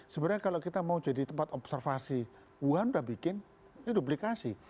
sebenarnya kalau kita mau jadi tempat observasi wuhan sudah bikin ini duplikasi